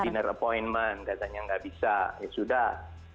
dinner appointment katanya nggak bisa ya sudah